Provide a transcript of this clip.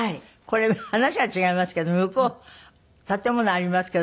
これ話が違いますけど向こう建物ありますけどどこです？